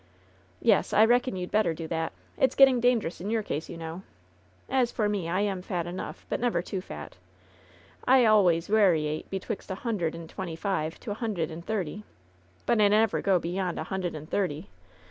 "Yes, I reckon you'd better do that ! It's getting dan gerous in your case, you know! As for me, I am fat enough ; but never too fat. I always wariate betwixt a hund'ed and twenty five to a hund'ed and thirty. But I never go beyond a hund'ed and thirty.